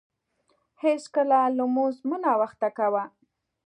هیڅکله لمونځ مه ناوخته کاوه.